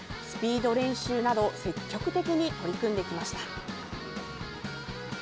スピード練習など積極的に取り組んできました。